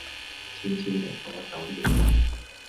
悄悄的我走了